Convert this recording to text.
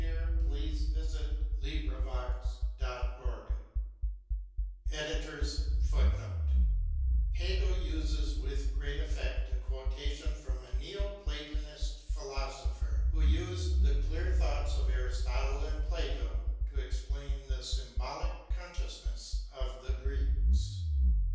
THE PROBLEM Prom the < Philosophy of History > [H^gel uses with great effect a quotation from a Neo Platonlst philosqpbet who used the clear thoughts of Aristotle and Plato to explain the symbolic consciousness of the Greeks.